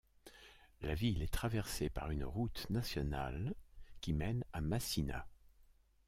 La ville est traversée par une route nationale qui mène à Macina.